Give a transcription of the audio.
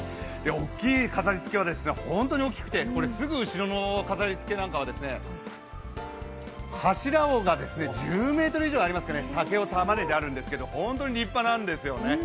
大きい飾りつけは本当に大きくてすぐ後ろの飾りつけは柱が１０ｍ以上ありますかね、竹を束ねてあるんですけど本当に立派なんですよね。